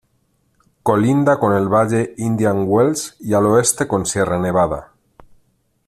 Colinda con el Valle Indian Wells, y al oeste con Sierra Nevada.